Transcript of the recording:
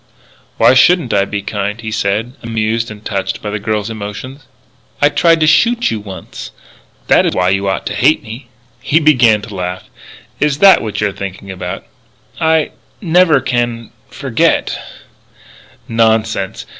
"Why shouldn't I be kind?" he said, amused and touched by the girl's emotion. "I tried to shoot you once. That is why you ought to hate me." He began to laugh: "Is that what you're thinking about?" "I never can forget " "Nonsense.